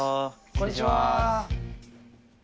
こんにちは。